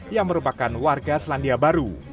yang merupakan warga selandia baru